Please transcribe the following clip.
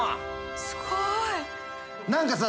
すごい！何かさ